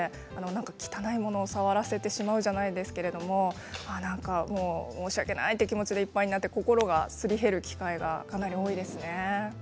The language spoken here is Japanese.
汚いものを触らせてしまうじゃないですけれど申し訳ないという気持ちでいっぱいになって心がすり減る機会がかなり多いですね。